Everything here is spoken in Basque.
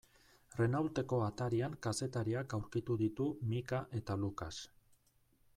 Renaulteko atarian kazetariak aurkitu ditu Micka eta Lucas.